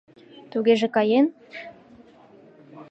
— Тугеже каен?